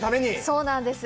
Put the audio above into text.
そうなんです！